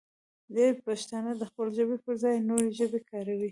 ډېری پښتانه د خپلې ژبې پر ځای نورې ژبې کاروي.